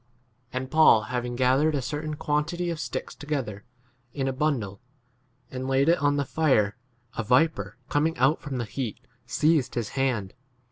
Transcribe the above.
And Paul having gathered a certain 2 quantity of sticks together in a bundle and laid [it] on the fire, a viper coming out from a the heat seized his hand.